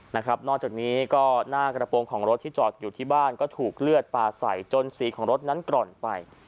นอกจากนี้ก็หน้ากระโปรงของรถที่จอดอยู่ที่บ้านก็ถูกเลือดปลาใส่จนสีของรถนั้นกร่อนไป